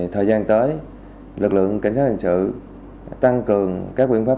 thời gian tới lực lượng cảnh sát hình sự tăng cường các biện pháp